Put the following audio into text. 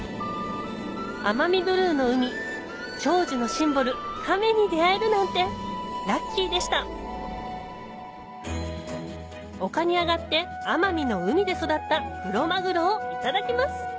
奄美ブルーの海長寿のシンボルカメに出合えるなんてラッキーでしたおかに上がって奄美の海で育ったクロマグロをいただきます！